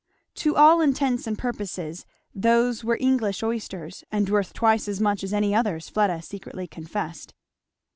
To all intents and purposes those were English oysters, and worth twice as much as any others Fleda secretly confessed.